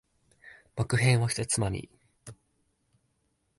木片を一つまみ。